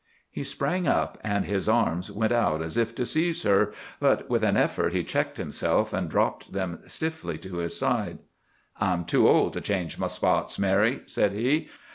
He sprang up, and his arms went out as if to seize her. But, with an effort, he checked himself, and dropped them stiffly to his side. "I'm too old to change my spots, Mary," said he.